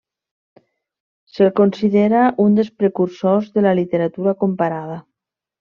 Se'l considera un dels precursors de la Literatura Comparada.